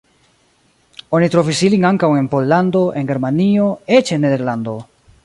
Oni trovis ilin ankaŭ en Pollando, en Germanio, eĉ en Nederlando.